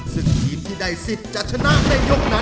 ซึ่งทีมที่ได้สิทธิ์จะชนะในยกนั้น